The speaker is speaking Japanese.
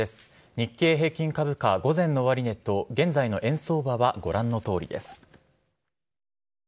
日経平均株価、午前の終値と現在の円相場はご覧のとおりです。